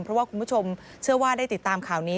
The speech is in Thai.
เพราะว่าคุณผู้ชมเชื่อว่าได้ติดตามข่าวนี้